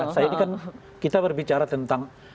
saya ini kan kita berbicara tentang